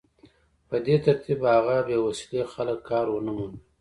په دې ترتیب به هغه بې وسيلې خلک کار ونه مومي